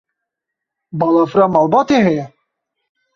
Balafira malbatê heye?